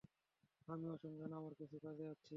আমি ওয়াশিংটনের আমার কিছু কাজে আসছি।